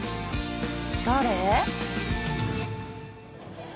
誰？